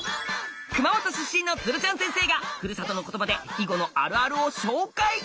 熊本出身の鶴ちゃん先生がふるさとの言葉で囲碁のあるあるを紹介！